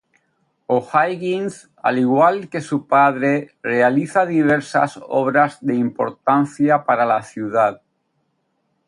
O'Higgins, al igual que su padre, realiza diversas obras de importancia para la ciudad.